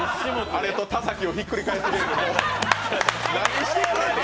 あれと田崎をひっくり返すゲーム。